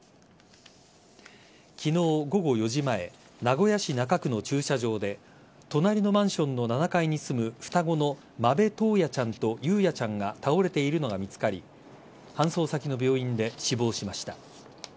昨日午後４時前名古屋市中区の駐車場で隣のマンションの７階に住む双子の間部登也ちゃんと雄也ちゃんが倒れているのが見つかり搬送先の病院で死亡しました。